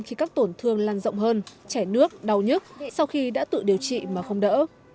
khi các tổn thương lan rộng hơn chảy nước đau nhức sau khi đã tự điều trị mà không đỡ